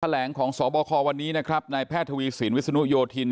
แหลงของสบควันนี้นะครับนายแพทย์ทวีสินวิศนุโยธิน